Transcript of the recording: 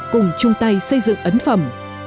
cùng chung tay xây dựng ấn phẩm